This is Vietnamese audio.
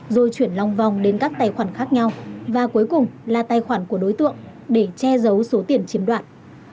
rồi chuyển lòng vòng đến các tài khoản khác nhau và cuối cùng là tài khoản của đối tượng để che giấu số tiền chiếm đoạt